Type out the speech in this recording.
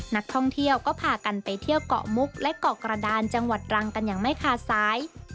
นักท่องเที่ยวก็พากันไปเที่ยวเกาะมุกและเกาะกระดานจังหวัดรังกันอย่างไม่ขาดสาย